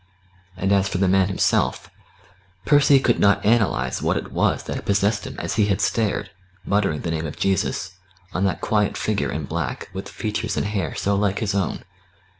And as for the man himself Percy could not analyse what it was that possessed him as he had stared, muttering the name of Jesus, on that quiet figure in black with features and hair so like his own.